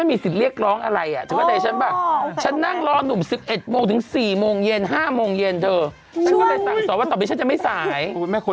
เอีล่าส่งมาบอกพี่หน่อยละลูกหนัก